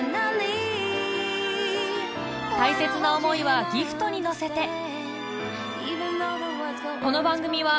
大切な思いはギフトに乗せて